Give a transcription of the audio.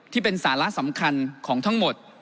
ที่เป็นสาระสำคัญของทั้งหมด